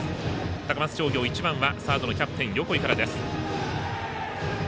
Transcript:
高松商業サード、キャプテンの横井からです。